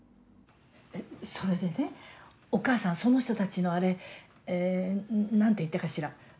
それでねお母さんその人たちのあれえぇ何て言ったかしら？